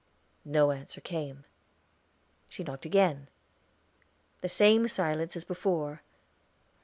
No answer came. She knocked again; the same silence as before.